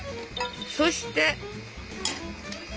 そして。